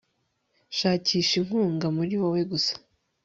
Shakisha inkunga muri wewe gusa